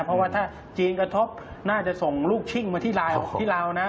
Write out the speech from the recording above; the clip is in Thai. เพราะว่าถ้าจีนกระทบน่าจะส่งลูกชิ้งมาที่เรานะ